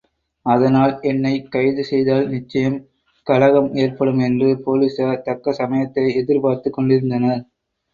அதனால் என்னைக் கைது செய்தால் நிச்சயம் கலகம் ஏற்படும் என்று போலீசார் தக்க சமயத்தை எதிர்பார்த்துக் கொண்டிருந்தனர்.